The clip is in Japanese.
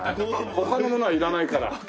他のものはいらないから。